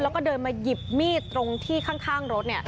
แล้วก็เดินมาหยิบมีดตรงที่ข้างรถ